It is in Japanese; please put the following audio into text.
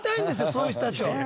そういう人たちを。